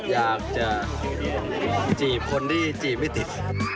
อยากจะจีบคนที่จีบไม่ติด